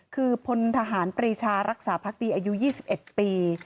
คือพลทหารปรีชารักษาพักดีอายุ๒๑ปี